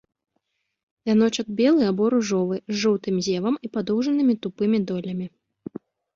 Вяночак белы або ружовы, з жоўтым зевам і падоўжанымі тупымі долямі.